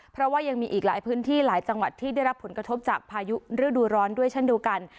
เพราะว่ายังมีอีกหลายพื้นที่หลายจังหวัดที่ได้รับผลกระทบจากพายุฤดูร้อนด้วยเช่นเดียวกัน